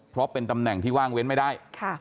เพราะเป็นตำแหน่งที่ว่างเว้นไม่ได้